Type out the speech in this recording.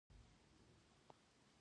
د هرات په انجیل کې د مالګې نښې شته.